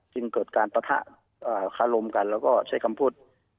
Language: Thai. จึงเกิดการปะทะคารมกันแล้วก็ใช้คำพูด